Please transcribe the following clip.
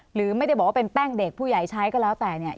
หรือไม่ได้บอกว่าเป็นแป้งเด็กผู้ใหญ่ใช้ก็แล้วแต่เนี่ย